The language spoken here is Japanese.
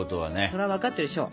そら分かってるでしょ。